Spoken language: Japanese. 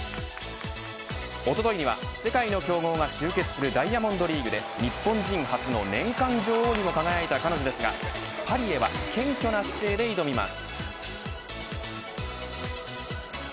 おとといには、世界の強豪が集結するダイヤモンドリーグで日本人初の年間女王にも輝いた彼女ですがパリへは謙虚な姿勢で挑みます。